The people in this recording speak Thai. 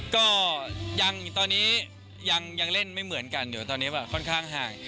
ก็ยังตอนนี้ยังเล่นไม่เหมือนกันเดี๋ยวตอนนี้แบบค่อนข้างห่าง